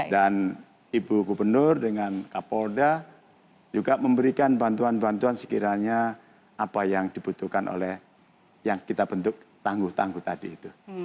dan ibu gubernur dengan kak polda juga memberikan bantuan bantuan sekiranya apa yang dibutuhkan oleh yang kita bentuk tangguh tangguh tadi itu